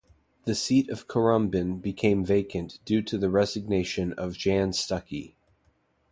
The seat of Currumbin became vacant due to the resignation of Jann Stuckey.